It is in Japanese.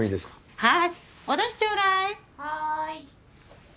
はい。